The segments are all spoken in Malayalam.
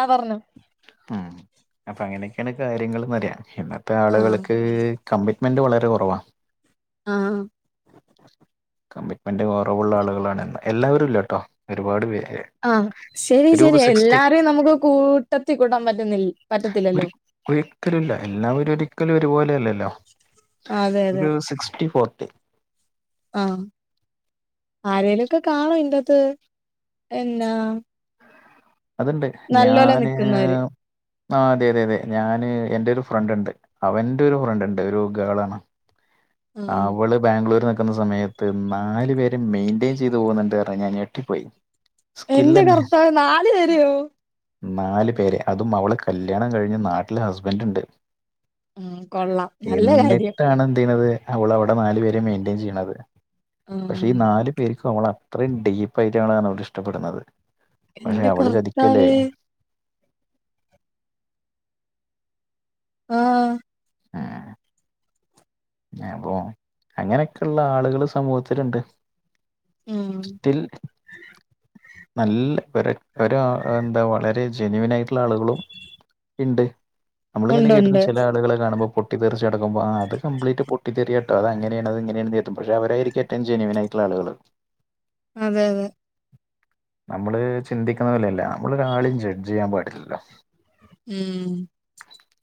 ആഹ് പറഞ്ഞോ ഉം അപ്പൊ അങ്ങനെയൊക്കെയാണ് കാര്യങ്ങൾന്ന് പറയാ ഇന്നത്തെ ആഹ് ആളുകൾക്ക് കമ്മിറ്റ്മെന്റ് വളരെ കുറവാ ആഹ് കമ്മിറ്റ്മെന്റ് കുറവുള്ള ആളുകളാണ് എല്ലാവരും ഇല്ല കേട്ടോ ഒരുപാട് പേര് ആഹ് ശരിയ ശരി ഒരു സിക്സ്റ്റി എല്ലാരും നമുക്ക് കൂട്ടത്തി കൂട്ടാൻ പറ്റുന്നില്ല പറ്റത്തില്ലല്ലോ ഒരി ഒരിക്കലുല്ല എല്ലാവരും ഒരിക്കലും ഒരുപോലെയല്ലല്ലോ അതെ അതെ ഒരു സിക്സ്റ്റി ഫോർട്ടി ആഹ് ആരലും ഒക്കെ കാണും ഇൻ്റെത്ത് എന്നാ അതുണ്ട് നല്ലോലെ ഞാന് നിക്കുന്നവര് ആഹ് അതെ അതെ അതെ ഞാന് എൻ്റെ ഒരു ഫ്രണ്ട് ഉണ്ട് അവന്റെ ഒരു ഫ്രണ്ട് ഉണ്ട് ഒരു ഗേള ആണ് ആഹ് അവള് ബാംഗ്ലൂര് നിക്കുന്ന സമയത്ത് നാലു പേര് മെയിന്റെയിൻ ചെയ്ത് പോകുന്നുണ്ട് ഞാൻ ഞെട്ടിപ്പോയി എന്റെ സ്കില്ലന്നെ കർത്താവേ നാല് പേരെയോ നാല് പേരെ അതും അവള് കല്യാണം കഴിഞ്ഞ് നാട്ടില് ഹസ്ബൻറ് ഉണ്ട് ഉം കൊള്ളാം നല്ല കാര്യം എന്നിട്ടാണ് എന്തയ്യ്ണത് അവള് അവടെ നാല് പേരെ മെയിന്റയിൻ ചെയ്യ്ണത് പക്ഷേ ഈ ആഹ് നാല് ശരിക്കും അവള അത്രയും ഡീപ്പായിട്ടാണ് അവളെ ഇഷ്ടപ്പെടുന്നത്. പക്ഷെ ഇന്റെ അവള് ചതിക്കല്ലേ കർത്താവേ ആഹ് ആഹ് അപ്പോ അങ്ങനെക്കെള്ള ആളുകള് സമൂഹത്തില്ണ്ട്. ഉം സ്റ്റിൽ നല്ല ഒര് ഒരാ എന്താ വളരെ ജെനുവിൻ ആയിട്ടുള്ള ആളുകളും ഇണ്ട് നമ്മളിങ്ങനെ കേട്ട്ണ് ഉണ്ടുണ്ട് ചെല ആളുകളെ കാണുമ്പം പൊട്ടി തറിച്ചടങ്ങുമ്പോ ആ അത് കംപ്ലീറ്റ് പൊട്ടിത്തെറി ട്ട അതങ്ങനെയാണ് അത് ഇങ്ങനെയാണ് തീത്തും പക്ഷേ അവരായിരിക്കും ഏറ്റവും ജനുവിൻ ആയിട്ടുള്ള ആളുകള്. അതെ അതെ നമ്മള് ചിന്തിക്കുന്ന പോലല്ല നമ്മളെ ഒരാളെയും ജഡ്ജ് ചെയ്യാൻ പാടില്ലല്ലോ. ഉം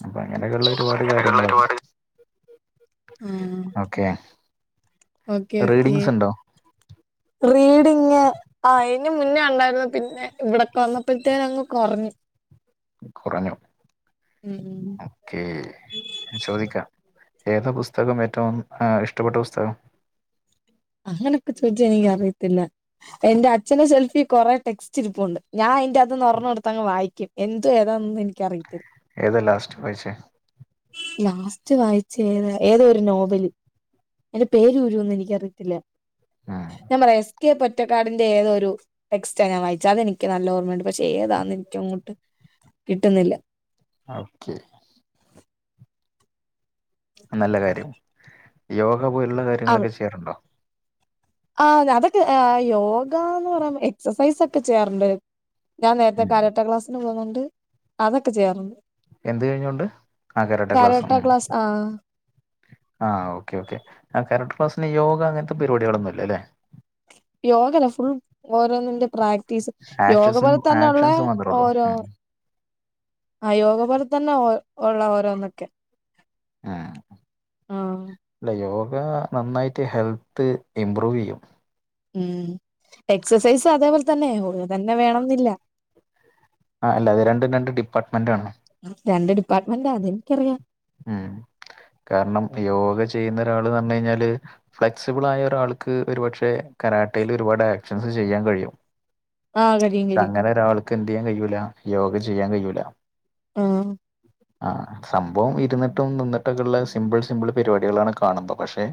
അപ്പ അങ്ങനെക്കെള്ള ഒരുപാട് കാര്യങ്ങളുണ്ട്. ആഹ് ഓക്കേ ഓക്കെ ഓക്കെ റീഡിങ് ആ അയിന് മുന്നേ അണ്ടായിരുന്നു പിന്നെ ഇവിടൊക്കെ വന്നപ്പോഴത്തേനും അങ്ങ് കൊറഞ്ഞു. കൊറഞ്ഞു ഉം ഉം ഒക്കേ ചോദിക്കാം ഏത് പുസ്തകം ഏറ്റവും ഏ ഇഷ്ടപ്പെട്ട പുസ്തകം? അങ്ങനക്കെ ചോദിച്ചാ എനിക്ക് അറിയത്തില്ല. എന്റെ അച്ഛന്റെ സെൽഫി കൊറേ ടെക്സ്റ്റ്‌ ഇരിപ്പുണ്ട് ഞാൻ അയിന്റകത്തുന്നു ഒറണ്ണം ഇട്ത്തങ്ങ് വായിക്കും. എന്തു ഏതാന്നും എനിക്ക് അറിയത്തില്ല. ഏതാ ലാസ്റ്റ് വയിച്ചേ? ലാസ്റ്റ് വായിച്ചേ ഏതാ ഏതോ ഒര് നോബൽ അയ്‌ന്റെ പേരൂരുന്ന് എനിക്കറിയത്തില്ല ഞാൻ പറയാ എസ് കെ പൊറ്റക്കാടന്റെ ഏതാ ഒരു ടെക്സ്റ്റ ഞാൻ വായിച്ച അതെനിക്ക് നല്ല ഓർമ്മയുണ്ട് പക്ഷെ ഏതാന്ന് ഇൻക്ക് അങ്ങോട്ട് കിട്ടുന്നില്ല. അഹ്ക്കെ നല്ല കാര്യം യോഗ പോലുള്ള കാര്യങ്ങളൊക്കെ ചെയ്യാറുണ്ടോ? ആ ഞ അതൊക്കെ ഹേ യോഗാന്ന് പറയുമ്പം എക്സസൈസൊക്കെ ചെയ്യാറുണ്ട്. ഞാൻ നേരത്തെ ഉം. കരാട്ടെ ക്ലാസ്സിന് പോകുന്നുണ്ട് അതൊക്കെ ചെയ്യാറുണ്ട്. എന്ത് കഴിഞ്ഞോണ്ട് ആ കരാട്ട ക്ലാസ് ഉം. ആഹ് ആഹ് ഓക്കെ ഓക്കെ അ കാരാട്ട ക്ലാസിന് യോഗ അങ്ങൻത്തെ പരിപാടികളൊന്നും ഇല്ലലെ? യോഗല്ല ഫുൾ ഓരോന്നിന്റെ പ്രാക്ടീസ് യോഗ ആക്ഷൻസ് പോലെ തന്നെള്ളെ ആക്ഷൻസ് മാത്രമേ ഉള്ളൂ ഓരോ ഉം. ആ യോഗ പോലെ തന്നെ ഉ ഉള്ള ഓരോന്നൊക്കെ ആ ആഹ് അല്ല യോഗ നന്നായിട്ട് ഹെൽത്ത് ഇമ്പ്രൂവ് ചെയ്യും. ഉം എക്സസൈസ് അതേ പോലെ തന്നെ യോഗ തന്നെ വേണെന്നില്ല. ആ അല്ല അത് രണ്ടും രണ്ട് ഡിപ്പാർട്ട്മെന്റ് ആണ്. രണ്ട് ഡിപ്പാർട്ട്മെന്റാ അതെനിക്കറിയാ. ഉം കാരണം യോഗ ചെയ്യുന്നരാള് ന്നർഞ്ഞഴിഞ്ഞാല് ഫ്ലെക്സിബിൾ ആയ ഒരാൾക്ക് ഒരു പക്ഷെ കരാട്ടയിൽ ഒരുപാട് ആക്ഷൻസ് ചെയ്യാൻ കഴിയും. ആഹ് കഴിയും പക്ഷേ കഴിയും അങ്ങനൊരാൾക്ക് എന്ത് ചെയ്യാൻ കഴിയൂല യോഗ ചെയ്യാൻ കഴൂല. ആഹ് ആഹ് സം ഭവം ഇരുന്നിട്ടും നിന്നിട്ടൊക്കെള്ളെ സിംമ്പിൾ സിംമ്പിൾ പരിപാടികളാണ് കാണുമ്പോ പക്ഷെ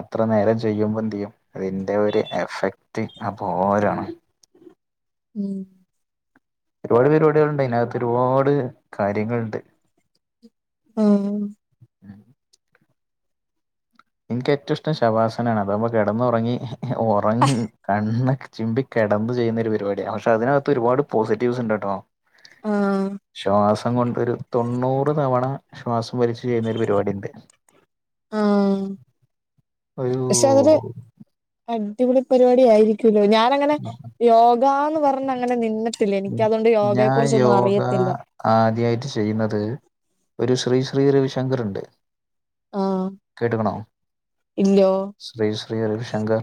അത്ര നേരം ചെയ്യുമ്പോ എന്ത്‌ ചെയ്യും അതിന്റെ ഒരു എഫക്റ്റ് അപാരാണ്. ഉം ഒരുപാട് പരിപാടികളുണ്ട് അയിനകത്ത് ഒരുപാട് കാര്യങ്ങള്ണ്ട്. ഉം ഇൻക്ക് ഏറ്റും ഇഷ്ടം ശവാസനാണ് അതാകുമ്പോ കെടന്നൊറങ്ങി ഒറങ് കണ്ണ ചിംമ്പി കെടന്ന് ചെയ്യുന്ന ഒരു പരിപാടിയാ പക്ഷേ അതിനകത്ത് ഒരുപാട് പോസിറ്റീവ്സ്ണ്ട്ട്ടോ ആഹ് ശ്വാസം കൊണ്ടൊരു തൊണ്ണൂറ് തവണ ശ്വാസം വലിച്ച് ചെയ്യുന്ന ഒരു പരിപാടിണ്ട്. ആഹ് ഒരു പക്ഷെ അവര് അടിപൊളി പരിപാടി ആയിരിക്കുവല്ലോ ഞാനങ്ങനെ യോഗാന്ന് പറഞ്ഞങ്ങനെ നിന്നി ത്തില്ല എനിക്ക് അതുകൊണ്ട് യോഗയെ ഞാൻ കുറിച്ചൊന്നും യോഗ അറിയത്തില്ല. ആദ്യായിട്ട് ചെയ്യുന്നത് ഒരു ശ്രീ ശ്രീ രവിശങ്കറ്ണ്ട് ആഹ് കേട്ട്ക്ക്ണോ? ഇല്ലോ ശ്രീ ശ്രീ രവിശങ്കർ.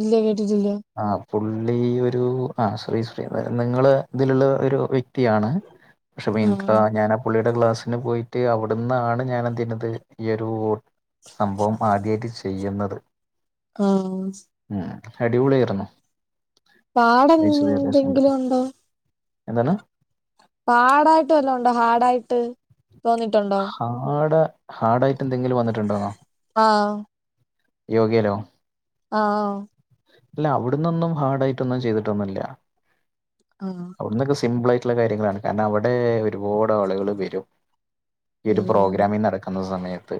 ഇല്യ കേട്ടിട്ടില്യ ആഹ് പുള്ളി ഒരു ആഹ് ശ്രീ ശ്രീ അതായത് നിങ്ങള് ഇതിലുള്ള ഒരു വ്യ ക്തിയാണ് പക്ഷേ ആഹ് [unintelligible] ഞാന് ആ പുള്ളിയുടെ ക്ലാസ്സിന് പോയിട്ട് അവിടുന്നാണ് ഞാന് എന്തെയ്യ്ണത് ഈ ഒരൂ സംഭവം ആദ്യായിട്ട് ചെയ്യുന്നത്. ഏഹേ ഉം അടിപൊളിയായിർന്നു. പാടെന്ത് ശരി. അങ്ങന്തെങ്കിലും ഉണ്ടോ? എന്താണ്? പാടായിട്ട് വല്ലോ ഉണ്ടോ ഹാർഡായിട്ട് തോന്നിയിട്ടുണ്ടോ? ഹാഡ് ഹാർഡായിട്ട് എന്തെങ്കിലും വന്നിട്ടുണ്ടോന്നോ? ആഹ് യോഗേലോ? ആഹ് ഇല്ല അവിടുന്നൊന്നും ഹാർഡ് ആയിട്ടൊന്നും ചെയ്തിട്ടൊന്നുല്ല. ആഹ് അവിടുന്നൊക്കെ സിമ്പിളായിട്ടുള്ള കാര്യങ്ങളാണ് കാരണം അവിടെ ഒരുപാട് ആളുകള് വരും ഈ ഒരു ഉം പ്രോഗ്രാമിംഗ് നടക്കുന്ന സമയത്ത്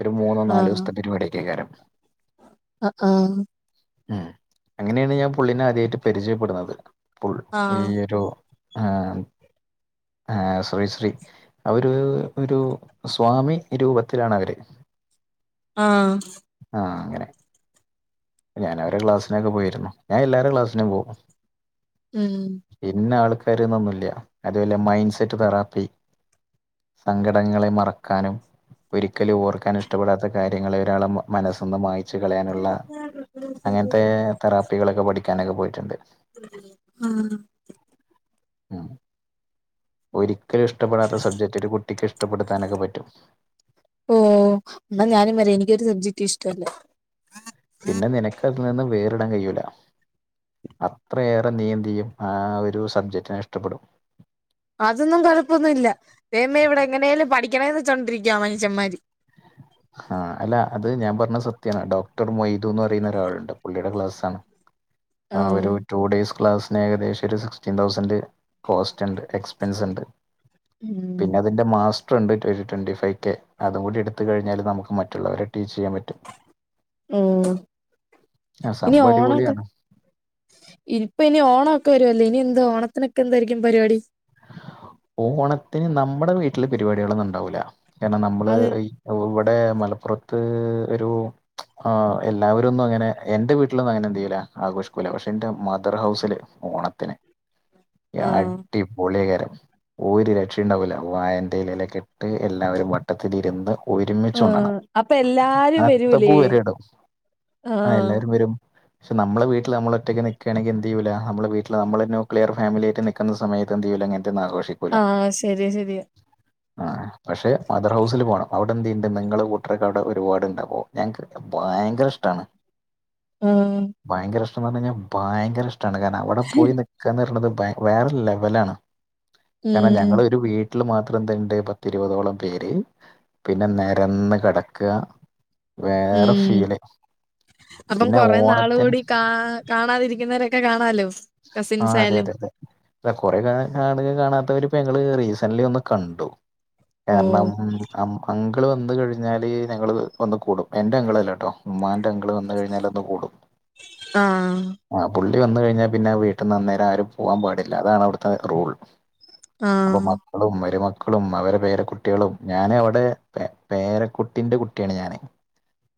ഒരു മൂന്നോ നാലു ആഹ് ദിവസത്തെ പരിപാടിയൊക്കെകാരം. ആഹ് ആഹ് ഉം അങ്ങനെയാണ് ഞാൻ പുള്ളിനെ ആദ്യായിട്ട് പരിചയപ്പെടുന്നത്. ഇപ്പോൾ ഈ ആഹ് ഒരു ആഹ് ആഹ് ശ്രീ ശ്രീ അവര് ഒരു സ്വാമി രൂപത്തിലാണ് അവര് ആഹ് ആഹ് അങ്ങനെ ഞാനവരെ ക്ലാസിനൊക്കെ പോയിരുന്നു ഞാൻ എല്ലാരെ ക്ലാസിനും പോവും. ഉം ഇന്ന ആൾക്കാര്ന്നൊന്നുല്ല്യ അതെപോലെ മൈൻഡ് സെറ്റ് തെറാപ്പി സങ്കടങ്ങളെ മറക്കാനും ഒരിക്കലും ഓർക്കാൻ ഇഷ്ടപ്പെടാത്ത കാര്യങ്ങളെ ഒരാളെ മനസ്സിന്ന് മായി ച്ച് കളയാനുള്ള അങ്ങനത്തെ തെറാപ്പികളൊക്കെ പഠിക്കാനൊക്കെ പോയിട്ടുണ്ട്. ആഹ്. ഉം ഒരിക്കലും ഇഷ്ടപ്പെടാത്ത സബ്ജക്ട്. ക്റ്റൊരു കുട്ടിക്ക് ഇഷ്ടപ്പെടുത്താനൊക്കെ പറ്റും. ഓഹ് എന്ന ഞാനും എനിക്കൊരു സബ്ജക്ട് ഇഷ്ടല്ല. പിന്നെ നിനക്ക് അതിനിന്ന് വേറിടാൻ കഴിയൂല. അത്രയേറെ നീയെന്തിയും ആ ഒരു സബ്ജക്റ്റിനെ ഇഷ്ടപ്പെടും. അതൊന്നും കൊഴപ്പൊന്നുല്ല ദേവമേ ഇവടെ എങ്ങനെലും പഠിക്കണേന്ന് വച്ചൊണ്ടിരിക്കുവ മനുഷമ്മാര്. ഹാഹ് അല്ല അത് ഞാൻ പറഞ്ഞ സത്യാണ് ഡോക്ടർ മൊയ്ദുന്ന് പറയുന്ന ഒരാളുണ്ട് പുള്ളിയുടെ ക്ലാസാണ്. ആഹ് ഒരു ടു ഡേയ്സ് ക്ലാസിന് ഏകദേശം ഒരു സിക്സ്റ്റീൻ തൗസൻഡ്. കോസ്റ്റ്ണ്ട് എക്സ്പെൻസ്ണ്ട്. ഉം പിന്നെ ഇതിന്റെ മാസ്റ്റർണ്ട് ഒരു ട്വന്റി ഫൈവ് കെ അതും കൂടി എടുത്ത് കഴിഞ്ഞാല്. നമുക്ക് മറ്റുള്ളവരെ ടീച്ചിയ്യാൻ പറ്റും. ഉം ആ ഇനി സംഭവം ഓണൊക്കെ. അടിപൊളിയാണ് ഇപ്പൊ ഇനി ഓണൊക്കെ വരുവല്ലേ ഇനി എന്താ ഓണത്തിനൊക്കെ എന്തായിരിക്കും പരിപാടി. ഓണത്തിന് നമ്മുടെ വീട്ടില് പരിപാടികളൊന്നും ഉണ്ടാവൂല്ല കാരണം നമ്മള്. അത് ഇവിടെ മലപ്പുറത്ത് ഒരു എല്ലാവരൊന്നും അങ്ങനെ എന്റെ വീ ട്ടിലൊന്നും അങ്ങനെ എന്തെയ്യുല്ല ആഘോഷിക്കൂല. പക്ഷെ എന്റെ മദർ ഹൗസില് ഓണത്തിന്. ആഹ് അടിപൊളിയേക്കാരം. ഒരു രക്ഷേണ്ടാവൂല വായന്റെ എലലൊക്കട്ട് എല്ലാവരും വട്ടത്തിലിരുന്ന്. ഒരുമിച്ചുണ്ണണം ആഹ് അപ്പൊ എല്ലാരും വരൂലേ അത്തപൂ വരെ ഇടും ആ ആഹ് എല്ലാരും വരും. പക്ഷേ നമ്മളെ വീട്ടിൽ നമ്മളൊറ്റക്ക് നിക്കാണെങ്കി എന്തിയ്യൂല നമ്മളെ വീട്ടിൽ നമ്മളന്നെ ക്ലിയർ ഫാമിലിയായിട്ട് നി ക്കുന്ന സമയതെന്തിയ്യൂല ഇങ്ങനത്തൊന്നും ആഘോഷി ആഹ് ശരിയ, ശെരിയ. ആഹ് പക്ഷെ മദർ ഹൗസിൽ പോണം അവിടെന്തിയ്യ്ണ്ട് മെങ്ങള് കൂട്ടരൊക്കെ അവിടെ ഒരുപാടുണ്ടപ്പോ. ഞങ്ങക്കൊക്കെ ഭയങ്കര ഇഷ്ടാണ്. ഉം ഭയങ്കര ഇഷ്ടംന്ന് പറഞ്ഞഴിഞ്ഞാൽ ഭയങ്കര ഇഷ്ടാണ് കാരണം അവിടെ പോയി നിക്കാന്ന് പറയണത് വേറെ ലെവലാണ്. കാരണം ഉം ഞങ്ങളൊരു വീ വീട്ടിൽ മാത്രം എന്തിയ്യുണ്ട് പത്തിരുപതോളം പേര് പിന്നെ നെരന്ന് കടക്ക. വേറെ ഉം ഫീലെ അപ്പം പിന്നെ കൊറെ നാള് ഓണത്തിന്. കൂടി കാ കാണാതിരിക്കുന്നവരക്കെ കാണാലോ. ആ കസിൻസ് ആയാലും അതെതെതെ. ഇപ്പ കൊറെ നാള് കാണാത്തവരിപ്പ ഞങ്ങള് റീസന്റ്ലി ഒന്ന് കണ്ടു. ഓ കാരണം അങ്കിള് വന്ന് കഴിഞ്ഞാല് ഞങ്ങള് ഒന്ന് കൂടും എന്റെ അങ്കിളല്ലട്ടോ. ഉമ്മാന്റെ അങ്കിള് വന്ന് കഴിഞ്ഞാലൊന്ന് കൂടും ആഹ് ആ പുള്ളി വന്ന് കഴിഞ്ഞാ. പിന്നെ വീട്ടി നിന്ന് അന്നേരാരും പോവാൻ പാടില്ല അതാണവിടുത്തെ റൂൾ. അപ്പോ ആഹ് മക്കളും മരുമക്കളും അവരെ പേരക്കുട്ടികളും ഞാനവിടെ പേ പേരക്കുട്ടിന്റെ കുട്ടിയാണ് ഞാനേ.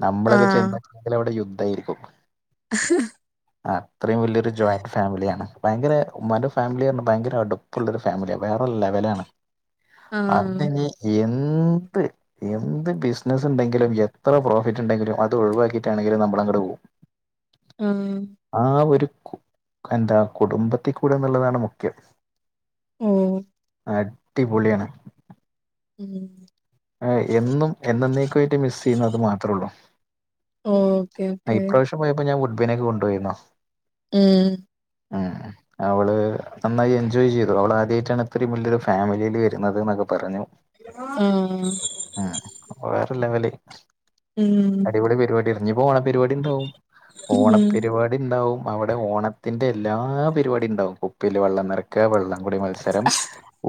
നമ്മളൊക്കെ ആഹ് ചെന്ന [unintelligible] അവിടെ യുദ്ധായിരിക്കും. [unintelligible] ആ അത്രയും വലിയൊരു ജോ ഫാമിലിയാണ് ഭയങ്കര ഉമ്മാൻ്റെ ഫാമിലി ഭയങ്കര അടുപ്പുള്ളൊരു ഫാമിലിയാ വേറെ ലെവലാണ്. ആഹ് അപ്പനി എന്ത്. എന്ത് ബിസിനസിണ്ടെങ്കിലും എത്ര പ്രോഫിറ്റ്യിണ്ടെങ്കിലും അത് ഒഴിവാക്കിട്ടാണെങ്കിലും നമ്മളങ്ങട് പോവും. [unintelligible] ആ ഒരു കു എന്താ കുടുംബത്തിൽ കൂടെന്നുള്ളതാണ് മുഖ്യം ഉം അടിപൊളിയാണ് ഉം ഏ എന്നും എന്നെന്നേക്കുമായിട്ട് മിസ് ചെയ്യുന്നത് അത് മാത്രേള്ളൂ ഓക്കെ ഓക്കെ ഇപ്രാശ്യം പോയപ്പം ഞാൻ ഗുഡ്ബിനേക്ക് കൊണ്ടുപോയെന്നു ഉം ആഹ് അവള് നന്നായി എൻജോയ് ചെയ്തു അവള് ആദ്യായിട്ടാണ് ഇത്രയും വലിയൊരു ഫാമിലിയില് വരുന്നത് എന്നൊക്കെ പറഞ്ഞു ഉം ആ അപ്പൊ വേറെ ലെവല് ഉം ഇവിടെ പരിപാടി ഇഞ്ഞി ഇപ്പ ഓണപരിപാടിയിണ്ടാവും ഉം ഓണപരിപാടിയിണ്ടാവും അവിടെ ഓണ ത്തിൻ്റെ എല്ലാ പരിപാടിയിണ്ടാവും കുപ്പില് വെള്ളം നെറ ക്ക വെള്ളംകൂടി മത്സരം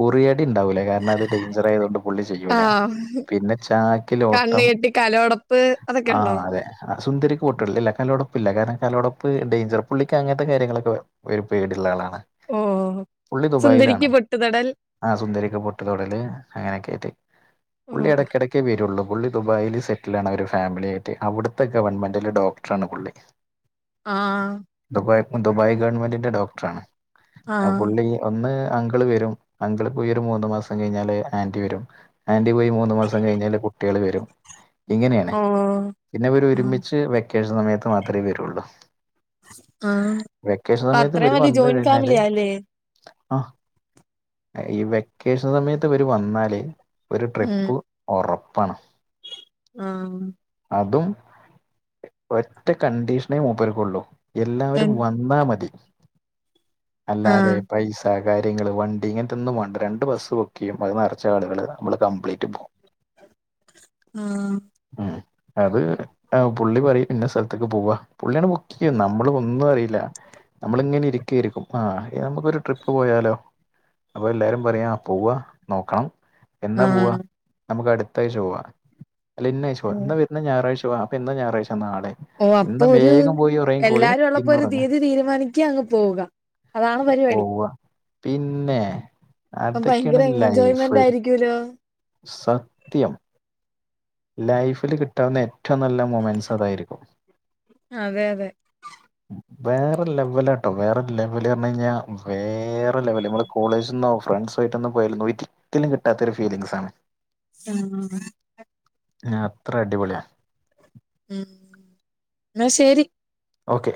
ഉറിയടിണ്ടാവൂല കാരണം അത് ഡേഞ്ചറായതോണ്ട് പുള്ളി ചെയ്യൂല ആഹ് പിന്നെ ചാക്കിലോട്ടം പ്പ് ആ അതൊക്കെയുണ്ടോ അതെ ആ സുന്ദരിക്ക് പൊട്ടുതോടൽ ഇല്ല കലം ഉടപ്പില്ല കാരണം കലം ഉടപ്പ് ഡേഞ്ചർ പുള്ളിക്ക് അങ്ങ നത്തെ കാര്യങ്ങള് ഒക്കെ ഒരു പേടിയുള്ള ആളാണ് ഉം പുള്ളി ദുബായിലാണ് സുന്ദരിക്ക് പൊട്ടുതൊടൽ ആ സുന്ദരിക്ക് പൊട്ട് തൊടല് അങ്ങനെയൊക്കെ ആയിട്ട് ഓ പുള്ളി എടക്കിട ക്കെ വരുള്ളൂ പുള്ളി ദുബായില് സെറ്റിലാണ് അവര് ഫാമിലിയായിട്ട് അവിടുത്തെ ഗവൺമെന്റില് ഡോക്ടറാണ് പുള്ളി ആഹ് ദുബായ് ഇപ്പം ദുബായ് ഗവൺമെന്റിന്റെ ഡോക്ടറാണ് ആഹ് പുള്ളി ഒന്ന് അങ്കിള് വരും അങ്കിള് പോയി ഒരു മൂന്ന് മാസം കഴിഞ്ഞാല് ആന്റി വരും ആന്റി പോയി മൂന്ന് മാസം കഴിഞ്ഞാല് കുട്ടികള് വരും ഇങ്ങനെയാണ് ഓ പിന്നെയിവര് ആഹ് ഒരുമിച്ച് വെക്കേഷൻ സമയത്ത് മാത്രേ വരുള്ളൂ ആഹ് വെക്കേഷൻ അപ്പം സമയത്ത് അത്രയും ഇവര് വലിയ വന്ന് ജോയിന്റ് കഴിഞ്ഞാല് ഫാമിലിയാല്ലേ ആ ഈ വെക്കേഷൻ സമയത്ത് ഇവര് വന്നാല് ഒരു ഉം ട്രിപ്പു ഒറപ്പാണ് ആഹ് അതും ഒറ്റ കണ്ടീഷനേ മൂപ്പർക്കൊള്ളൂ എല്ലാവരും എൻ ന്നാ മതി അല്ലാതെ ആഹ് പൈസ കാര്യങ്ങള് വണ്ടി ഇങ്ങൻത്തൊന്നും വേണ്ട രണ്ട് ബസ്സ് ബുക്ക് ചെയ്യും അത് നിറച്ച് ആളുകള് നമ്മള് കംപ്ലീറ്റ് പോകും ഉം ഉം അത് പുള്ളി പറയും ഇന്ന സ്ഥലത്തേക്ക് പോവാ പുള്ളിയാണ് ബാക്കിയ നമ്മള് ഒന്നും അറിയില്ല നമ്മള് ഇങ്ങനെ ഇരിക്കായിരിക്കും ആ നമുക്കൊരു ട്രിപ്പ് പോയാലോ അപ്പൊ എല്ലാരും പറയാ പോവാ നോക്കണം എന്നാ പോവ ആഹ് നമുക്ക് അടുത്ത് ത്താഴ്ച്ച പോവാ അല്ല ഇന്നാഴ്ച്ച പോവാ എന്നാ വരുന്ന ഞായറാഴ്ച പോവാ അപ്പ എന്നാ ഞായാഴ്ച്ച നാളെ ഓഹ്, ഇന്ന് അപ്പൊ ഒരു വേഗം പോയി ഉറങ്ങിക്കോളി എല്ലാരും ഉള്ളപ്പോ ഇന്ന് ഒരു ഉറങ്ങാ തീയതി തീരുമാനിക്ക്യാ അങ്ങ് പോവുക. അതാണ് പരിപാടി പോവാ, പിന്നെ അപ്പ അതൊക്കെയാണ് ഭയങ്കര ലൈഫ് എൻജോയ്മെൻ്റായിരിക്കൂലോ. സത്യം ലൈഫില് കിട്ടാവുന്ന ഏറ്റവും നല്ല മൊമെന്റ്സ് അതായിരിക്കും. അതെ അതെ വേറെ ലെവല ട്ടോ, വേറെ ലെവല് അർണെയ്ഞ്ഞാ വേറെ ലെവല്, നമ്മള് കോളേജ്ന്നോ ഫ്രണ്ട്സായിട്ടൊന്നും പോയാലൊന്നും ഒരിക്കലും കിട്ടാത്തൊരു ഫീലിംഗ്സാണ്. ആണ് [unintelligible] ആഹ്, അത്ര അടിപൊളിയാ ഉം, ന്നാ ശെരി ഓക്കെ